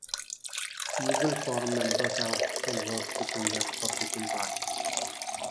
Eagle Forum members have often worked within the Republican Party.